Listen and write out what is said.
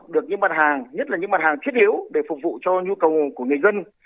để phục vụ cho nhu cầu của người dân